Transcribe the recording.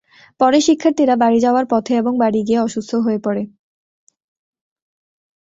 পরে শিক্ষার্থীরা বাড়ি যাওয়ার পথে এবং বাড়ি গিয়ে অসুস্থ হয়ে পড়ে।